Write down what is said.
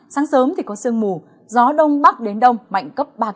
sáng sớm có sương mù gió đông bắc đến đông mạnh cấp ba bốn